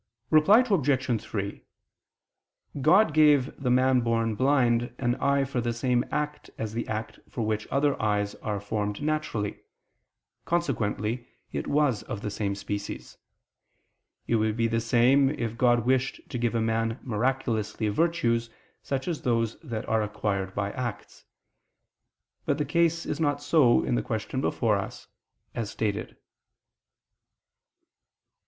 Reply Obj. 3: God gave the man born blind an eye for the same act as the act for which other eyes are formed naturally: consequently it was of the same species. It would be the same if God wished to give a man miraculously virtues, such as those that are acquired by acts. But the case is not so in the question before us, as stated.